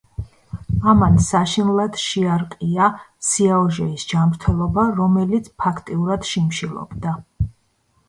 ამან საშინლად შეარყია სიაოჟეის ჯანმრთელობა, რომელიც ფაქტიურად შიმშილობდა.